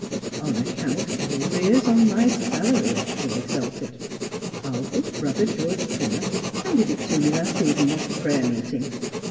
" On account of arrears on my salary," he ex ulted. " Our good brother, George Trimmer, handed it to me last evening after prayer meeting.